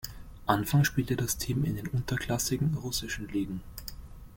Anfangs spielte das Team in den unterklassigen russischen Ligen.